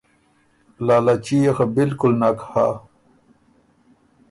لالچي يې خه بالکل نک هۀ